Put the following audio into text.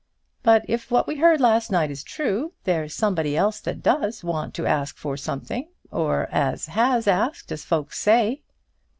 "But if what we heard last night is all true, there's somebody else that does want to ask for something, or, as has asked, as folks say."